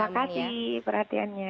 terima kasih perhatiannya